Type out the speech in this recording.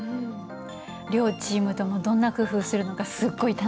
両チームともどんな工夫するのかすっごい楽しみ。